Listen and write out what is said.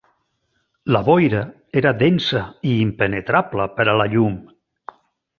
La boira era densa i impenetrable per a la llum.